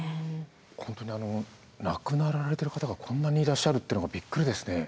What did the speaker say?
本当にあの亡くなられてる方がこんなにいらっしゃるっていうのがビックリですね。